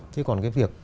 thế còn cái việc